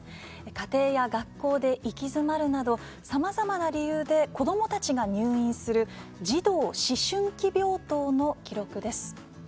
家庭や学校で行き詰まるなどさまざまな理由で子どもたちが入院する児童・思春期病棟の記録です。